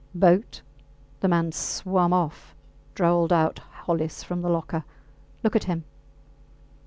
Boat! The mans swum off, drawled out Hollis from the locker. Look at him!